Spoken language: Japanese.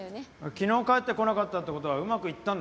昨日帰ってこなかったって事はうまくいったんですかね？